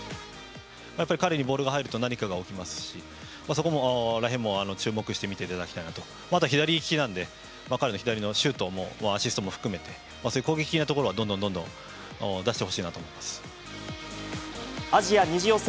やっぱり彼にボールが入ると、何かが起きますし、そこらへんも注目して見ていただきたいなと、また左利きなんで、彼の左のシュートも、アシストも含めて、そういう攻撃的なところは、どんどんどんどん出してほしいなアジア２次予選